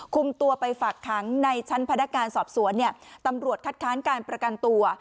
คุมตัวไปฝากขังในชั้นพนักงานสอบสวนเนี่ยตำรวจคัดค้านการประกันตัว